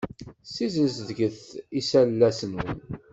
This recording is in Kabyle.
Sizedget iselas-nwen.